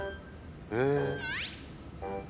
へえ。